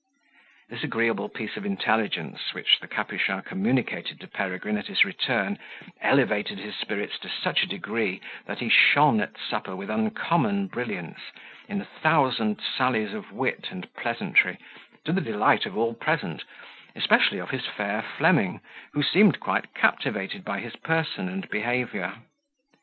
This agreeable piece of intelligence, which the Capuchin communicated to Peregrine at his return, elevated his spirits to such a degree, that he shone at supper with uncommon brilliance, in a thousand sallies of wit and pleasantry, to the delight of all present, especially of his fair Fleming, who seemed quite captivated by his person and behaviour.